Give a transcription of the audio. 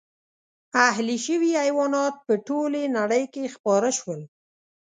اهلي شوي حیوانات په ټولې نړۍ کې خپاره شول.